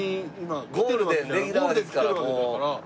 ゴールデンレギュラーですからもう大成功。